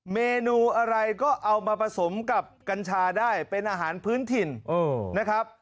เมนูอะไรก็เอามาผสมกับกัญชาได้เป็นอาหารพื้นถิ่นนะครับ